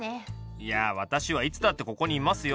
いや私はいつだってここにいますよ。